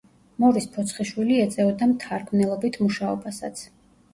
მორის ფოცხიშვილი ეწეოდა მთარგმნელობით მუშაობასაც.